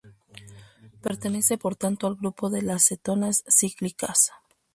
Pertenece por tanto al grupo de las cetonas cíclicas.